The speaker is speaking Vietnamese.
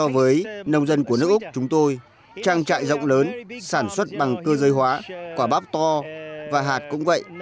với nông dân của nước úc chúng tôi trang trại rộng lớn sản xuất bằng cơ giới hóa quả bắp to và hạt cũng vậy